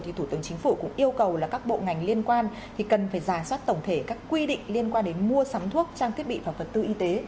thì thủ tướng chính phủ cũng yêu cầu là các bộ ngành liên quan thì cần phải giả soát tổng thể các quy định liên quan đến mua sắm thuốc trang thiết bị và vật tư y tế